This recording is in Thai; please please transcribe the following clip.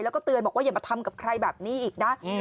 แล้วก็เตือนบอกว่าอย่ามาทำกับใครแบบนี้อีกนะ